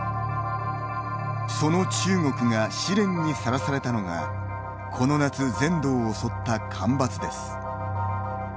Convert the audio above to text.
その中国が試練にさらされたのがこの夏、全土を襲った干ばつです。